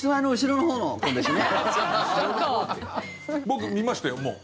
僕、見ましたよ、もう。